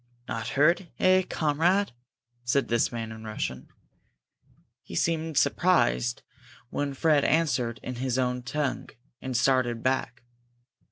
"Not hurt, eh, comrade?" said this man in Russian. He seemed surprised when Fred answered in his own tongue, and started back.